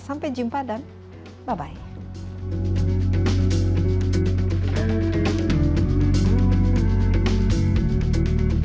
sampai jumpa dan bye